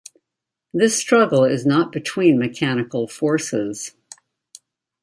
This struggle is not between mechanical forces.